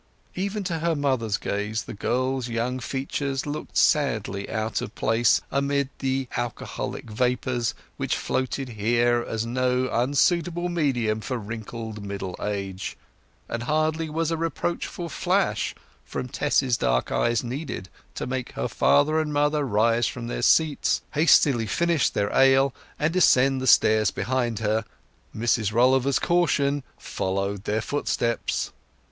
Even to her mother's gaze the girl's young features looked sadly out of place amid the alcoholic vapours which floated here as no unsuitable medium for wrinkled middle age; and hardly was a reproachful flash from Tess's dark eyes needed to make her father and mother rise from their seats, hastily finish their ale, and descend the stairs behind her, Mrs Rolliver's caution following their footsteps.